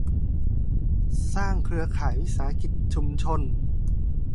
สร้างเครือข่ายวิสาหกิจชุมชน